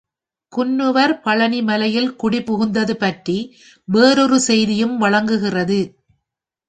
குன்னுவர் பழனிமலையில் குடிபுகுந்தது பற்றி வேறொரு செய்தியும் வழங்குகிறது.